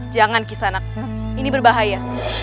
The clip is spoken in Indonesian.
jangan kisanak ini berbahaya